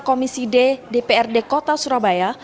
komisi d dprd kota surabaya